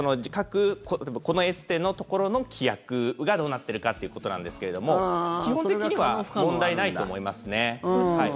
このエステのところの規約がどうなっているかということなんですけれども基本的には問題ないと思いますね。